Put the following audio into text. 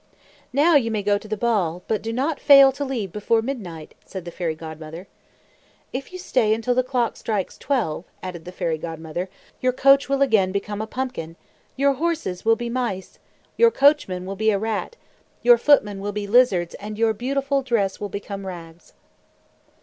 "Now you may go to the ball, but do not fail to leave before midnight," said the Fairy Godmother. "If you stay until the clock strikes twelve," added the Fairy Godmother, "your coach will again become a pumpkin; your horses will be mice; your coachman will be a rat; your footmen will be lizards, and your beautiful dress will become rags."